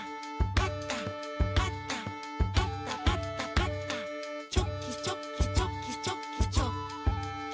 「パタパタパタパタパタ」「チョキチョキチョキチョキチョキ」